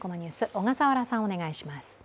小笠原さん、お願いします。